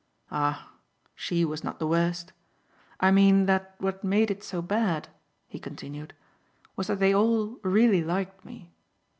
"Ah she was not the worst! I mean that what made it so bad," he continued, "was that they all really liked me.